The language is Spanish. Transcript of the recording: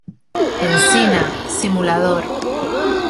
Encina, Simulador".